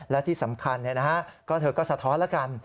และที่สำคัญเธอก็สะท้อนแล้วกัน